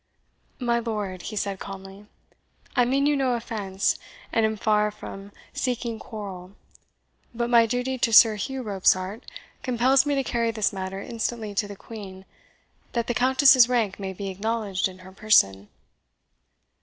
"My lord," he said calmly, "I mean you no offence, and am far from seeking a quarrel. But my duty to Sir Hugh Robsart compels me to carry this matter instantly to the Queen, that the Countess's rank may be acknowledged in her person."